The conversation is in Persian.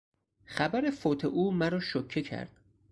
خبر فوت او مرا شوکه کرد.